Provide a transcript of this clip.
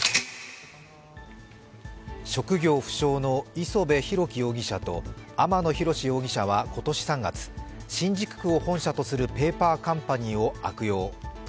職業不詳の磯辺裕樹容疑者と天野宏容疑者は今年３月新宿区を本社とするペーパーカンパニーを悪用。